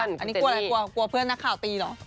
อันนี้กลัวอะไรกลัวกลัวเพื่อนนักข่าวตีเหรอ